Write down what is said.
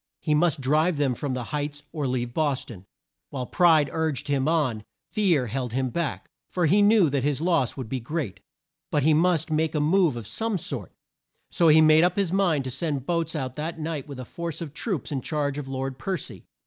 He must drive them from the Heights, or leave Bos ton. While pride urged him on, fear held him back, for he knew that his loss would be great. But he must make a move of some sort, so he made up his mind to send boats out that night with a force of troops in charge of Lord Per cy.